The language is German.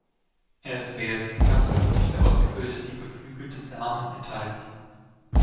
Es werden Kapselfrüchte ausgebildet, die geflügelte Samen enthalten.